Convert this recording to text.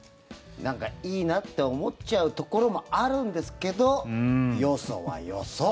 なんか、いいなって思っちゃうところもあるんですがよそはよそ。